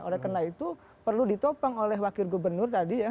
oleh karena itu perlu ditopang oleh wakil gubernur tadi ya